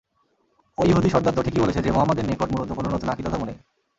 ঐ ইহুদী সরদারতো ঠিকই বলেছে যে, মুহাম্মাদের নিকট মূলত কোন নতুন আকীদা-ধর্ম নেই।